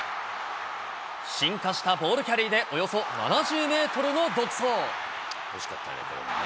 進化したボールキャリーでおよそ７０メートルの独走。